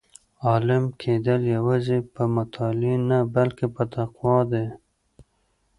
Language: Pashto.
عالم کېدل یوازې په مطالعې نه بلکې په تقوا دي.